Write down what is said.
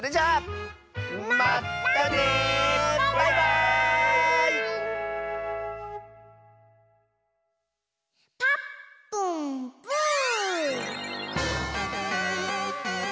バイバーイ！